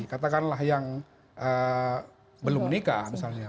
katakanlah yang belum menikah misalnya